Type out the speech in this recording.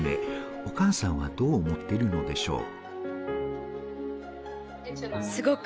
お母さんはどう思っているのでしょうか？